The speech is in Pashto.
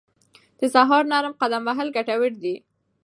د سهار نرم قدم وهل ګټور دي.